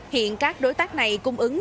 hiện các đối tác này cung ứng